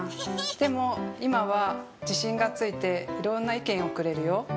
でも今は自信がついていろんな意見をくれるよ。